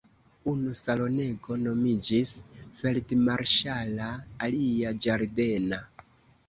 Unu salonego nomiĝis "feldmarŝala" alia "ĝardena".